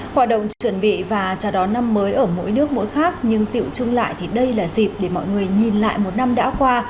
hoạt động chuẩn bị và chào đón năm mới ở mỗi nước mỗi khác nhưng tiệu chung lại thì đây là dịp để mọi người nhìn lại một năm đã qua